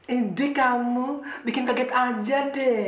idi kamu bikin kaget aja deh